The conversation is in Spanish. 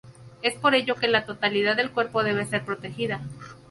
Es por ello que la totalidad del cuerpo debe ser protegida.